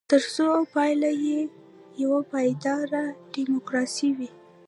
ترڅو پایله یې یوه پایداره ډیموکراسي وي.